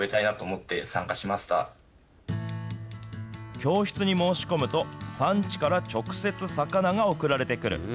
教室に申し込むと、産地から直接魚が送られてくる。